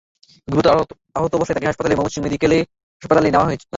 গুরুতর আহত অবস্থায় তাঁকে প্রথমে ময়মনসিংহ মেডিকেল কলেজ হাসপাতালে নেওয়া হয়।